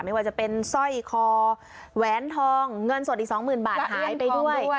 ไม่ว่าจะเป็นสร้อยคอแหวนทองเงินสดอีกสองหมื่นบาทหายไปด้วย